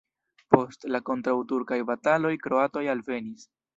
Post la kontraŭturkaj bataloj kroatoj alvenis.